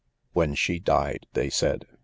When she died," they said ?